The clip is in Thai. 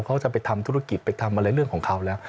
เขาจะไปทำธุรกิจไปทำอะไรเรื่องของเขาแล้ว